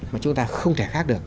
mà chúng ta không thể khác được